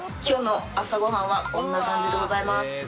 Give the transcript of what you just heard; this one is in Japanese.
今日の朝ごはんはこんな感じでございます。